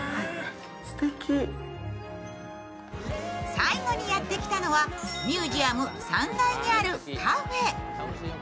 最後にやってきたのはミュージアム３階にあるカフェ。